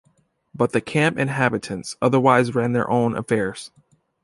But the camp inhabitants otherwise ran their own affairs.